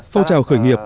phong trào khởi nghiệp